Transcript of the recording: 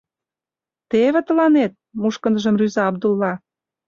— Теве тыланет! — мушкындыжым рӱза Абдулла.